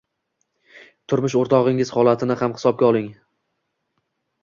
Turmush o‘rtog‘ingiz holatini ham hisobga oling.